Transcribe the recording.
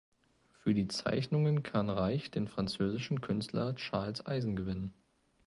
Für die Zeichnungen kann Reich den französischen Künstler Charles Eisen gewinnen.